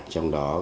trong đó sẽ đầu tư